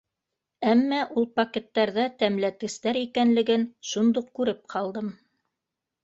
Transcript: Әммә ул пакеттарҙа тәмлекәстәр икәнлеген шундуҡ күреп ҡалдым.